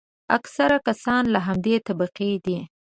اکثره کسان له همدې طبقې دي.